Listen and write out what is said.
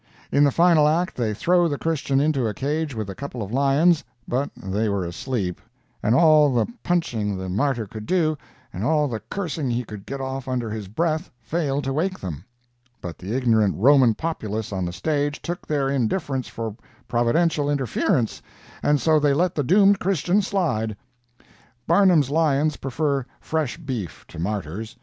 In the final act they throw the Christian into a cage with a couple of lions, but they were asleep, and all the punching the Martyr could do, and all the cursing he could get off under his breath failed to wake them; but the ignorant Roman populace on the stage took their indifference for Providential interference, and so they let the doomed Christian slide. Barnum's lions prefer fresh beef to martyrs.